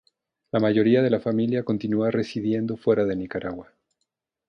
La mayoría de la familia continúa residiendo fuera de Nicaragua.